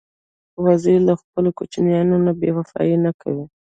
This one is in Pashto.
وزې له خپلو کوچنیانو نه بېوفايي نه کوي